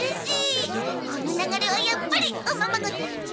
この流れはやっぱりおままごとよね。